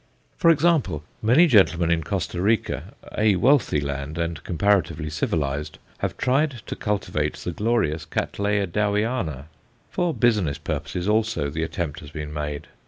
For example, many gentlemen in Costa Rica a wealthy land, and comparatively civilized have tried to cultivate the glorious Cattleya Dowiana. For business purposes also the attempt has been made.